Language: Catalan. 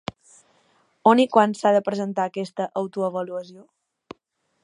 On i quan s'ha de presentar aquesta autoavaluació?